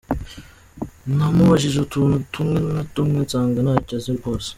Namubajije utuntu tumwe na tumwe nsanga ntacyo azi rwose.